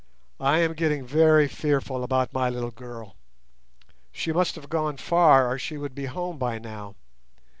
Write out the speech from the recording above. I am getting very fearful about my little girl. She must have gone far, or she would be home by now.